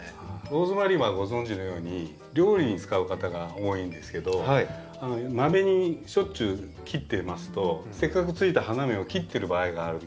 ローズマリーはご存じのように料理に使う方が多いんですけどマメにしょっちゅう切ってますとせっかくついたあなるほど。